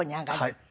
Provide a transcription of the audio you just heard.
はい。